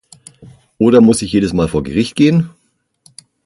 Oder muss ich jedes Mal vor Gericht gehen?